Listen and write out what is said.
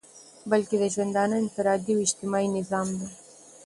بلكي دژوندانه انفرادي او اجتماعي نظام دى